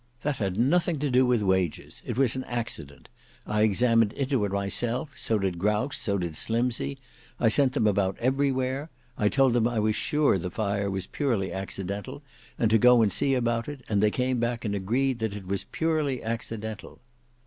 "That had nothing to do with wages; it was an accident. I examined into it myself; so did Grouse, so did Slimsey; I sent them about everywhere. I told them I was sure the fire was purely accidental, and to go and see about it; and they came back and agreed that it was purely accidental."